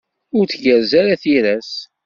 Ur tgerrez ara tira-s.